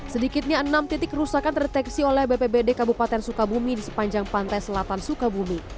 sedikitnya enam titik kerusakan terdeteksi oleh bpbd kabupaten sukabumi di sepanjang pantai selatan sukabumi